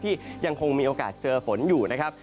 ยังคงมีโอกาสเจอฝนอยู่นะครับ